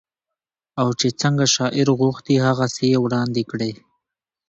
او چې څنګه شاعر غوښتي هغسې يې وړاندې کړې